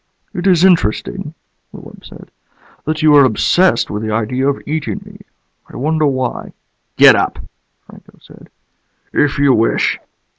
"It is interesting," the wub said, "that you are obsessed with the idea of eating me. I wonder why." "Get up," Franco said. "If you wish."